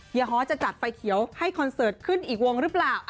ฮอตจะจัดไฟเขียวให้คอนเสิร์ตขึ้นอีกวงหรือเปล่า